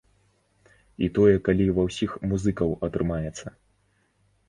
І тое калі ва ўсіх музыкаў атрымаецца.